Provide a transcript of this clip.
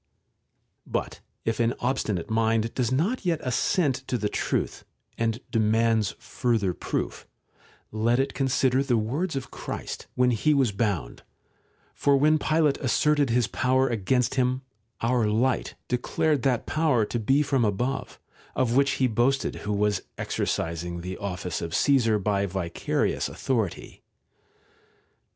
§ 10. But if an obstinate mind does not yet assent to the truth, and demands further proof, let it consider the words of Christ when He was bound ; for when Pilate asserted his power against Him, our Light declared that power to be from above, of which he boasted who was exercising the office of Caesar by vicarious authority.